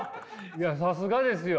いやさすがですよ。